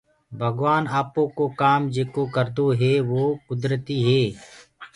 ڀگوآن آپو ڪو ڪآم جيڪو ڪردو هي وو ڪُدرتيٚ هي۔